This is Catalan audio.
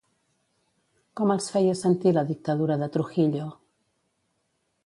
Com els feia sentir la dictadura de Trujillo?